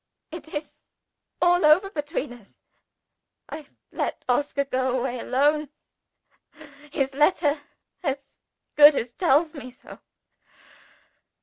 It is all over between us, if I let Oscar go away alone his letter as good as tells me so.